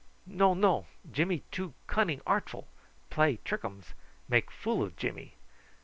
"No, no; Jimmy too cunning artful. Play trickums. Make fool o' Jimmy.